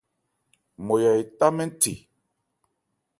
Nmɔya etá mɛ́n thè.